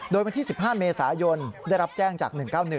โดยวันที่๑๕เมษายนได้รับแจ้งจาก๑๙๑